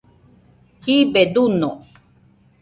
jibe duño